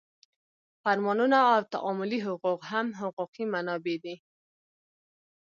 فرمانونه او تعاملي حقوق هم حقوقي منابع دي.